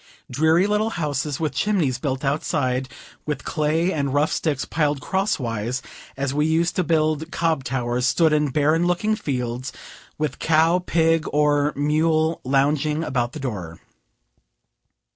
Dreary little houses, with chimneys built outside, with clay and rough sticks piled crosswise, as we used to build cob towers, stood in barren looking fields, with cow, pig, or mule lounging about the door.